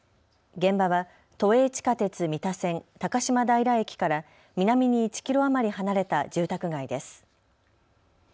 現場は都営地下鉄三田線高島平駅から南に１キロ余り離れた住宅街です。